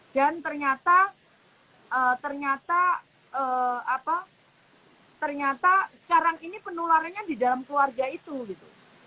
dan ternyata ternyata apa ternyata sekarang ini penularannya di dalam keluarga itu gitu